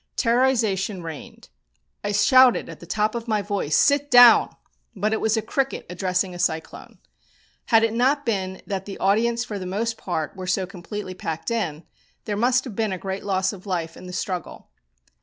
Terrorisation reigned. I shouted at the top of my voice, "Sit down!" but it was a cricket addressing a cyclone. Had it not been that the audience for the most part were so completely packed in, there must have been a great loss of life in the struggle.